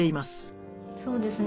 そうですね。